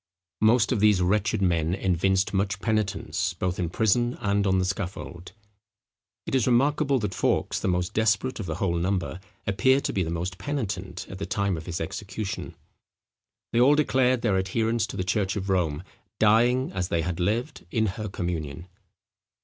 Most of these wretched men evinced much penitence, both in prison and on the scaffold. It is remarkable that Fawkes, the most desperate of the whole number, appeared to be the most penitent at the time of his execution. They all declared their adherence to the church of Rome, dying, as they had lived, in her communion.